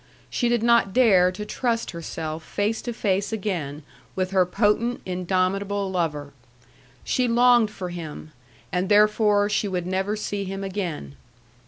She did not dare to trust herself face to face again with her potent, indomitable lover. She longed for him, and therefore she would never see him again.